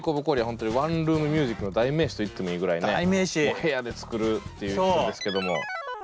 本当にワンルーム☆ミュージックの代名詞と言ってもいいぐらいね部屋で作るということですけども。